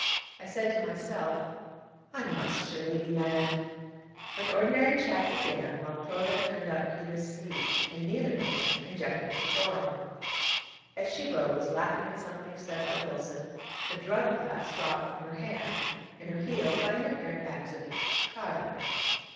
I said to myself: 'I must surely be mad!' An ordinary chat began, while Clodagh turned up Peters' sleeve, and, kneeling there, injected his fore arm. As she rose, laughing at something said by Wilson, the drug glass dropped from her hand, and her heel, by an apparent accident, trod on it.